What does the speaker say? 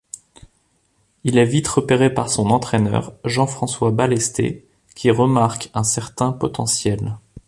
Il est vite repéré par son entraîneur Jean-François Ballester qui remarque un certain potentiel.